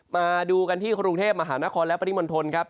มาดูกันที่กรุงเทพมหานครและปริมณฑลครับ